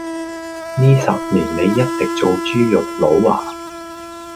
呢十年你一直做豬肉佬呀？